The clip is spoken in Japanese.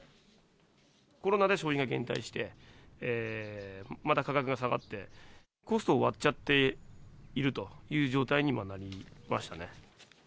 コロナで消費が減退して、また価格が下がって、コストを割っちゃっているという状態になりましたね。